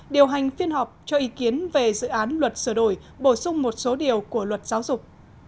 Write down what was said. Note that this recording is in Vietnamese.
điều hành phiên họp cho ý kiến về dự án luật sửa đổi bổ sung một số điều của luật giáo dục